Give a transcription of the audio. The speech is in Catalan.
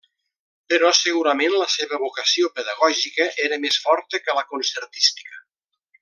Però segurament la seva vocació pedagògica era més forta que la concertística.